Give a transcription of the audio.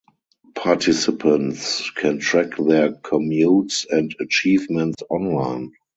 Participants can track their commutes and achievements online.